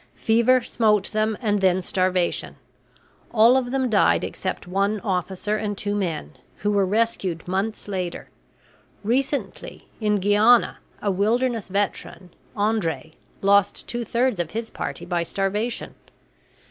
Fever smote them, and then starvation. All of them died except one officer and two men, who were rescued months later. Recently, in Guiana, a wilderness veteran, Andre, lost two thirds of his party by starvation.